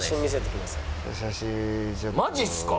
マジっすか？